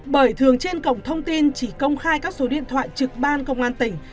bởi thường trên cổng thông tin chỉ công khai các số điện thoại trực ban công an tỉnh